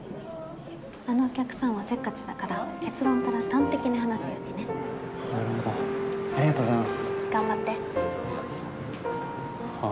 あのお客さんはせっかちだから結論から端的に話すようにねなるほどありがとうございます頑張って何？